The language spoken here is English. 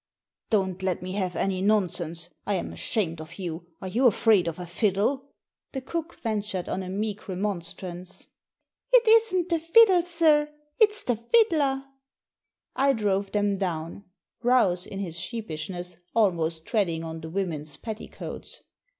Don't let me have any nonsense. I'm ashamed of you. Are you afraid of a fiddle ?" The cook ventured on a meek remonstrance. Digitized by VjOOQIC THE VIOLIN III •' It isn't the fiddle, sir ; it's the fiddler." I drove them down ; Rouse, in his sheepishness, almost treading on the women's petticoats.